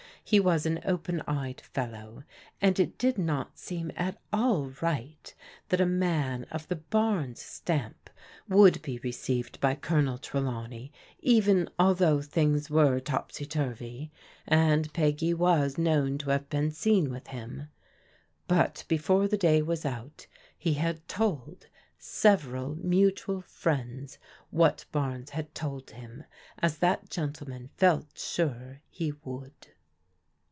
He was an open eyed fellow, and it did not seem at all right that a man of the Barnes stamp would be received by Colonel Trelawney even although things were topsy turvy, and Peggy was known to have been seen with him. But be fore the day was out he had told several mutual friends what Barnes had told him, as that gentleman felt sure he would.